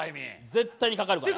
絶対にかかるからな。